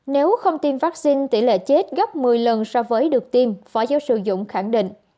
nếu không tiêm vaccine tỷ lệ chết gấp một mươi lần so với được tiêm phó giáo sư dũng khẳng định